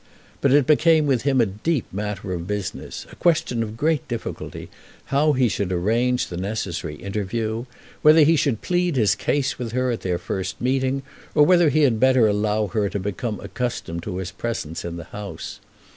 But it became with him a deep matter of business, a question of great difficulty, how he should arrange the necessary interview, whether he should plead his case with her at their first meeting, or whether he had better allow her to become accustomed to his presence in the house.